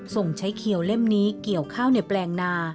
ส่งใช้เขียวเล่มนี้เกี่ยวข้าวในแปลงนา